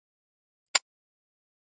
پوهاوی ویره کموي.